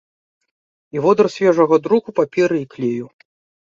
І водар свежага друку, паперы і клею.